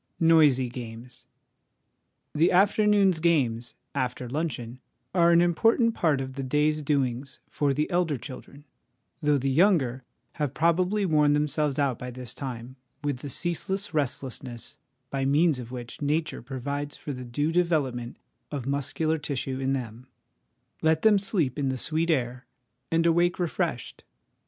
Noisy Games. The afternoon's games, after luncheon, are an important part of the day's doings for the elder children, though the younger have probably worn themselves out by this time with the ceaseless restlessness by means of which Nature provides for the due development of muscular tissue in them ; let them sleep in the sweet air, and awake refreshed.